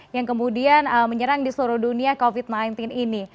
yang kemudian menyerang di seluruh dunia covid sembilan belas ini